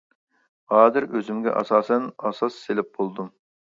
ھازىر ئۆزۈمگە ئاساسەن ئاساس سېلىپ بولدۇم.